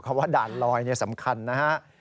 คำว่าด่านลอยเนี่ยสำคัญนะฮะ